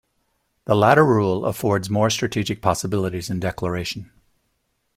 The latter rule affords more strategic possibilities in declaration.